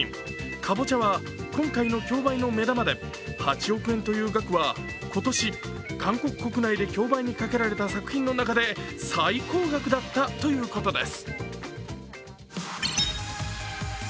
「かぼちゃ」は今回の競売の目玉で８億円という額は、今年韓国国内で競売にかけられた作品の中で最高額だったということです。